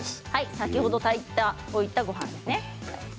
先ほど炊いておいたごはんですね。